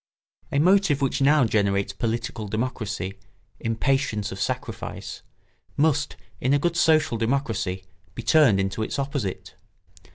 A motive which now generates political democracy, impatience of sacrifice, must, in a good social democracy, be turned into its opposite.